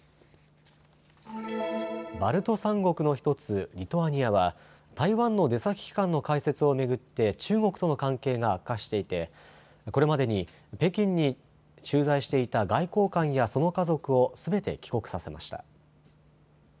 バルト三国の１つリトアニアは台湾の出先機関の開設を巡って中国と関係が悪化していてこれまでに北京に駐在していた外交官やその家族をすべて帰国させました。